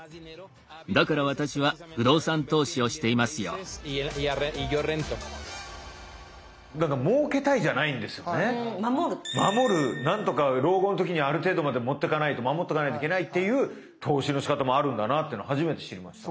こちらはメキシコのご家族なんとか老後の時にある程度までもってかないと守っとかないといけないという投資のしかたもあるんだなっていうの初めて知りました。